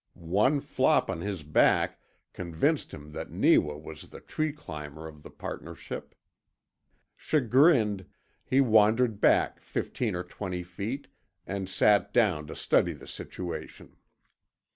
One flop on his back convinced him that Neewa was the tree climber of the partnership. Chagrined, he wandered back fifteen or twenty feet and sat down to study the situation.